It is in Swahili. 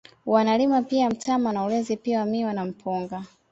Wanalima pia mtama na ulezi pia miwa na Mpunga